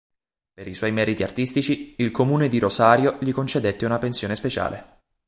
Per i suoi meriti artistici, il comune di Rosario gli concedette una pensione speciale.